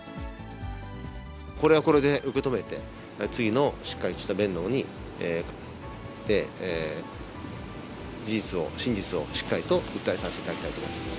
これはこれで受け止めて、次のしっかりとした弁論で、事実を、真実をしっかりと訴えさせていただきたいと思います。